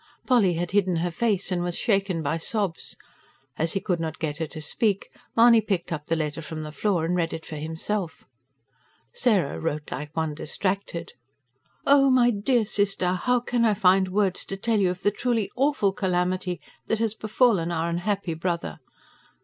Polly had hidden her face, and was shaken by sobs As he could not get her to speak, Mahony picked up the letter from the floor and read it for himself. Sarah wrote like one distracted. OH, MY DEAR SISTER, HOW CAN I FIND WORDS TO TELL YOU OF THE TRULY "AWFUL" CALAMITY THAT HAS BEFALLEN OUR UNHAPPY BROTHER.